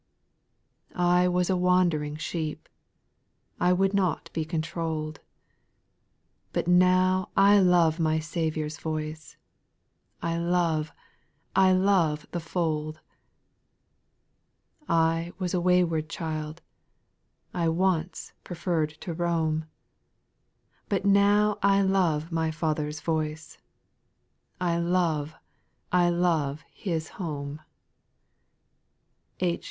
I was a wand'ring sheep, I would not be controU'd : But now I love my Shepherd's voice, I love, I love the fold I 9. I was a wayward child, I once preferred to roam ; But now I love my Father's voice, — I love, I love His home I '' H.